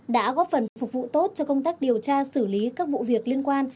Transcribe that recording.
để đảm bảo an ninh trật tự